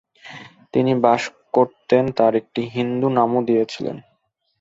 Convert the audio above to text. তিনি বাস করতেন, তার একটি হিন্দু নামও দিয়েছিলেন।